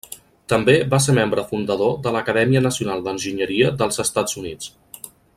També va ser membre fundador de l'Acadèmia Nacional d'Enginyeria dels Estats Units.